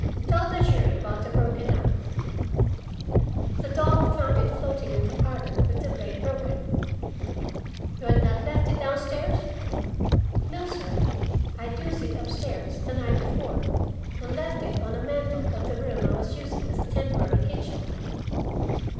"Tell the jury about the broken knife." "The dog found it floating in the parlor, with the blade broken." "You had not left it down stairs?" "No, sir. I had used it up stairs, the night before, and left it on a mantel of the room I was using as a temporary kitchen."